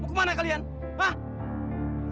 mau ke mana kalian hah